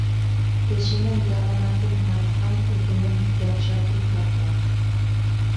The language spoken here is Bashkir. Кешенең яманатын һатҡан үҙенең яҡшатын тапмаҫ.